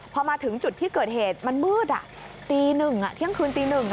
พอมาถึงจุดที่เกิดเหตุมันมืดตี๑เที่ยงคืนตี๑